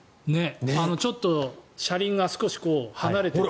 ちょっと車輪が少し離れていて。